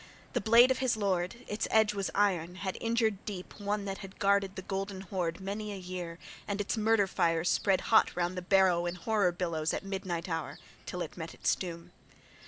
The blade of his lord its edge was iron had injured deep one that guarded the golden hoard many a year and its murder fire spread hot round the barrow in horror billows at midnight hour, till it met its doom.